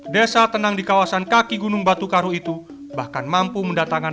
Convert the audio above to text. desa tenang di kawasan kaki gunung batu karu itu bahkan mampu mendatangkan